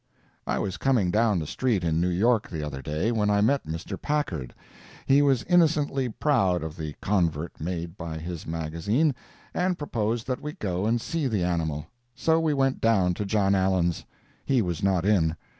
I was coming down the street in New York the other day, when I met Mr. Packard. He was innocently proud of the convert made by his magazine, and proposed that we go and see the animal. So we went down to John Allen's. He was not in.